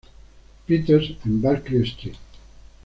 Peter’s, en Barclay Street.